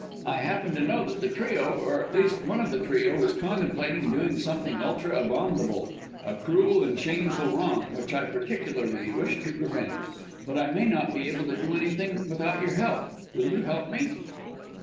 I happen to know that the trio or at least one of the trio is contemplating doing something ultra abominable a cruel and shameful wrong, which I particularly wish to prevent. But I may not be able to do anything without your help! Will you help me?"